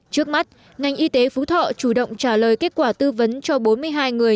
trước mắt ngành y tế phú thọ chủ động trả lời kết quả tư vấn cho bốn mươi hai người